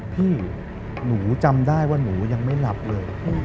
พี่หนูจำได้ว่าหนูยังไม่หลับเลย